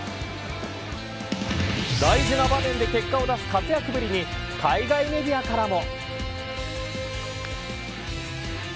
大事な場面で結果を出す活躍ぶりに海外メディアからも。